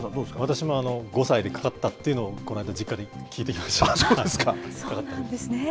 私も５歳でかかったっていうのをこの間、実家で聞いてきましそうなんですね。